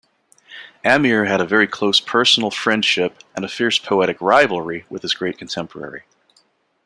Amir had a very close personal friendship-and a fierce poetic rivalry-with his great contemporary.